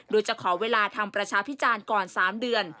โดยจะขอเวลาทำประชาพิจารณ์ก่อน๓เดือน